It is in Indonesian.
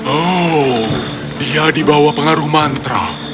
oh dia di bawah pengaruh mantra